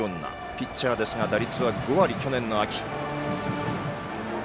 ピッチャーですが、打率は５割去年の秋。